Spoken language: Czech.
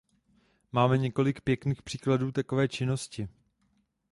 Máme několik pěkných příkladů takové činnosti.